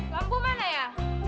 lampu mana ya